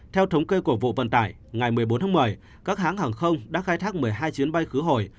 theo thống kê của vụ vận tải ngày một mươi bốn tháng một mươi các hãng hàng không đã khai thác một mươi hai chuyến bay khứ hồi